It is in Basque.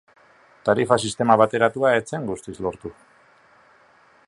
Tarifa-sistema bateratua ez zen guztiz lortu.